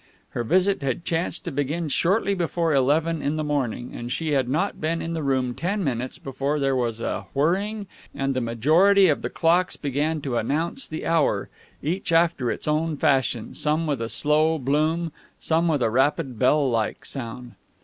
Her visit had chanced to begin shortly before eleven in the morning, and she had not been in the room ten minutes before there was a whirring, and the majority of the clocks began to announce the hour, each after its own fashion some with a slow bloom, some with a rapid, bell like sound.